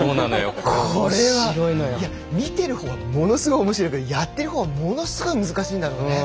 これは見ているほうはものすごく、おもしろいけどやっているほうはものすごい難しいんだろうね。